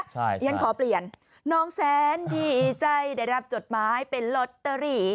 ใช่ฉันขอเปลี่ยนน้องแสนดีใจได้รับจดหมายเป็นลอตเตอรี่